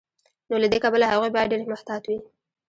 نو له دې کبله هغوی باید ډیر محتاط وي.